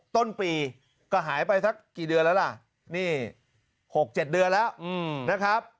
ต้นปีก็หายไปสักกี่เดือนแล้วล่ะนี่๖๗เดือนแล้วนะครับ